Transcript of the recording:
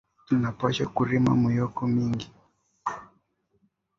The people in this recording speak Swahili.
Tuna pashwa kurima myoko mingi